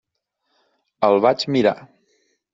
El vaig mirar.